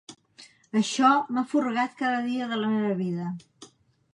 Això m'ha furgat cada dia de la meva vida.